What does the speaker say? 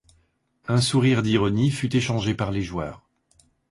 Un sourire d’ironie fut échangé par les joueurs.